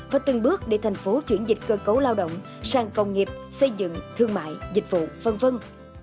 và từng bước để thành phố chuyển dịch cơ cấu lao động sang công nghiệp xây dựng thương mại dịch vụ v v